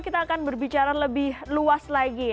kita akan berbicara lebih luas lagi